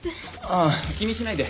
ああ気にしないで。